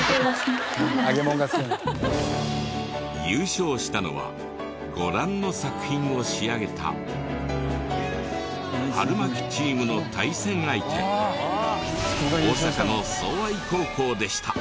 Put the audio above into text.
優勝したのはご覧の作品を仕上げたはるまきチームの対戦相手大阪の相愛高校でした。